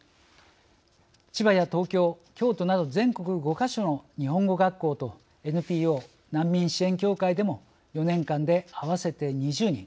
千葉や東京京都など全国５か所の日本語学校とＮＰＯ難民支援協会でも４年間で合わせて２０人